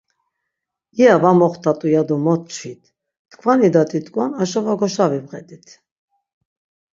İya va moxtat̆u ya do mot çvit, tkvan idat̆it̆ǩon aşo va goşavibğert̆it.